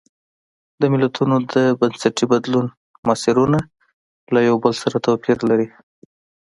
د ملتونو د بنسټي بدلون مسیرونه له یو بل سره توپیر لري.